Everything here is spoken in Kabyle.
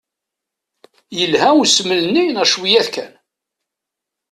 Yelha usmel-nni neɣ cwiya-t kan?